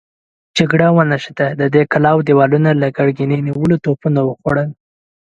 جګړه ونښته، د دې کلاوو دېوالونه له ګرګينه نيولو توپونو وخوړل.